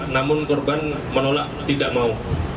namun korban menolak tidak mau